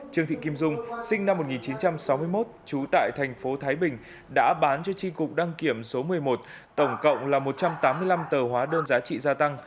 trương thị kim dung sinh năm một nghìn chín trăm sáu mươi một trú tại thành phố thái bình đã bán cho tri cục đăng kiểm số một mươi một tổng cộng là một trăm tám mươi năm tờ hóa đơn giá trị gia tăng